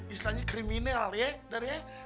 istilahnya kriminal ya